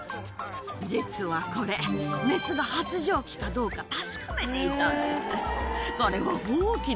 実はこれ、雌が発情期かどうか確かめていたんです。